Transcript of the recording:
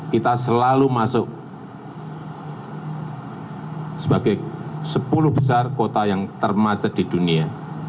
kita selalu masuk sebagai sepuluh besar kota yang termacet di dunia